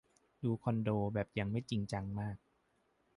ดูคอนโด แบบยังไม่จริงจังมาก